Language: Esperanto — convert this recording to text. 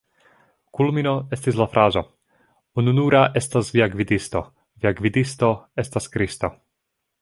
Kulmino estis la frazo: "Ununura estas via gvidisto, via gvidisto estas Kristo.